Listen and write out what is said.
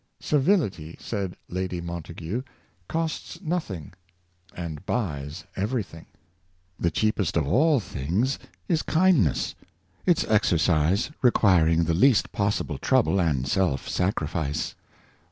" Civility," said Lady Montague, "costs noth ing and buys every thing." The cheapest of .all things is kindness, its exercise requiring the least possible trouble and self sacrifice.